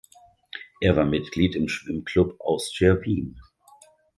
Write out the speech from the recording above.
Er war Mitglied im Schwimmclub Austria Wien.